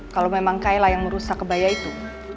kalau memang kaila yang merusak kebaya itu